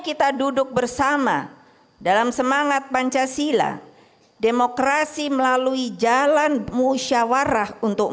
kita duduk bersama dalam semangat pancasila demokrasi melalui jalan musyawarah untuk